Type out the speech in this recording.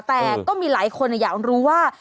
แต่ก็มีหลายคนอยากรู้ว่า